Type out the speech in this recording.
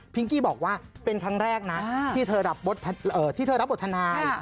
กี้บอกว่าเป็นครั้งแรกนะที่เธอรับบททนาย